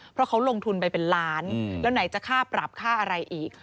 เพราะเขาลงทุนไปเป็นล้านแล้วไหนจะค่าปรับค่าอะไรอีก